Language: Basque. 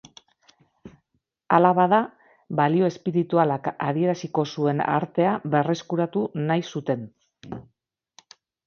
Hala bada, balio espiritualak adieraziko zuen artea berreskuratu nahi zuten.